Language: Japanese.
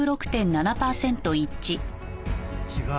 違う。